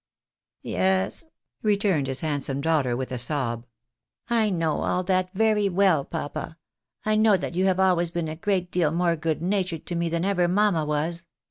" Yes," returned his handsome daughter with a sob, " I know all that very well, papa, I know that you have always been a great deal more good natured to me than ever mamma was.